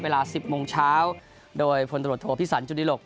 เวลา๑๐โมงเช้าโดยพลตรวจโทพิสันจุดิหลก